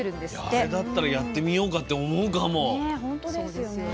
あれだったらやってみようかって思うかも。ね